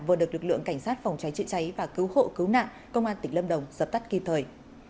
vừa được lực lượng cảnh sát phòng cháy chữa cháy và cứu hộ cứu nạn công an tỉnh lâm đồng dập tắt kịp thời